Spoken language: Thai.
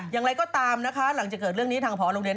อย่างไรก็ตามนะคะหลังจากเกิดเรื่องนี้ทางพอโรงเรียน